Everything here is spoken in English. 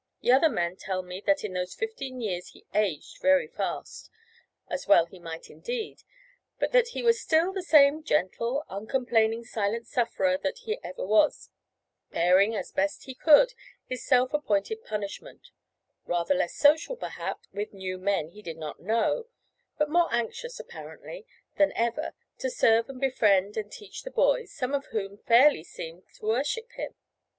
The other men tell me that in those fifteen years he aged very fast, as well he might indeed, but that he was still the same gentle, uncomplaining, silent sufferer that he ever was, bearing as best he could his self appointed punishment rather less social, perhaps, with new men whom he did not know, but more anxious, apparently, than ever to serve and befriend and teach the boys, some of whom fairly seemed to worship him.